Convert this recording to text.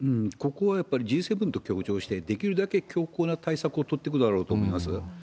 ここはやっぱりＧ７と強調して、できるだけ強硬な対策を取ってくだろうと思います。